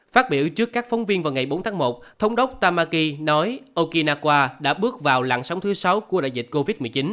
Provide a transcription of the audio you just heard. phát biểu trước các phóng viên vào ngày bốn tháng một thống đốc tam maki nói okinawa đã bước vào lặn sóng thứ sáu của đại dịch covid một mươi chín